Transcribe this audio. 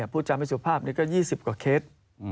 ผู้จำไม่สุภาพก็๒๐กว่าเคส